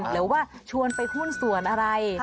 หรือว่าชวนไปหุ้นส่วนอะไร